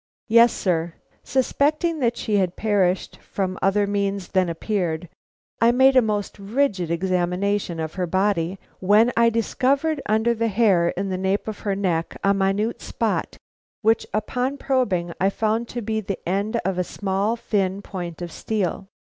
"Yes, sir. Suspecting that she had perished from other means than appeared, I made a most rigid examination of her body, when I discovered under the hair in the nape of the neck, a minute spot, which, upon probing, I found to be the end of a small, thin point of steel.